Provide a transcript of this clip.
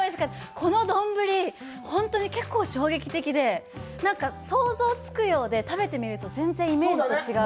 このどんぶり、本当に結構、衝撃的で想像がつくようで、食べてみると、全然イメージと違う。